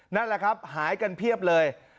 นั่นแหละครับหายกันเพียบเลย